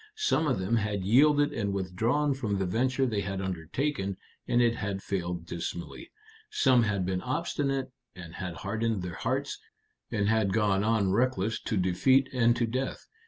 Some of them had yielded and withdrawn from the venture they had undertaken, and it had failed dismally. Some had been obstinate, and had hardened their hearts, and had gone on reckless to defeat and to death.